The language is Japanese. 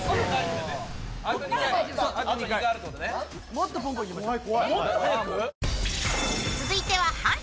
もっとポンポンいきましょう。